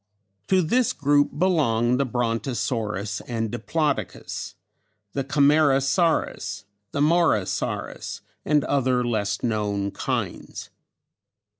To this group belong the Brontosaurus and Diplodocus, the Camarasaurus, Morosaurus and other less known kinds.